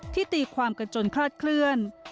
ตีความกันจนคลาดเคลื่อน